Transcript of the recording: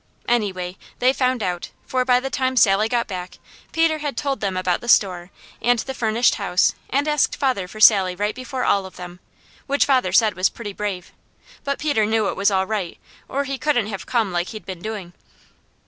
Anyway, they found out, for by the time Sally got back Peter had told them about the store, and the furnished house, and asked father for Sally right before all of them, which father said was pretty brave; but Peter knew it was all right or he couldn't have come like he'd been doing.